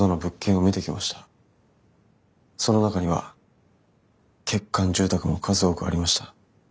その中には欠陥住宅も数多くありました。